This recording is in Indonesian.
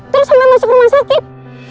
terus sampai masuk rumah sakit